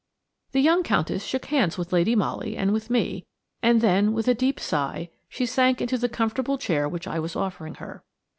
The young Countess shook hands with Lady Molly and with me, and then, with a deep sigh, she sank into the comfortable chair which I was offering her.